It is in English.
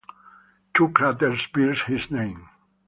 Two craters bear his name.